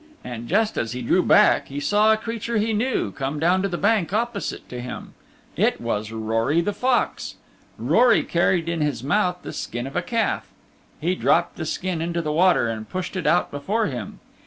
And just as he drew back he saw a creature he knew come down to the bank opposite to him. It was Rory the Fox. Rory carried in his mouth the skin of a calf. He dropped the skin into the water and pushed it out before him.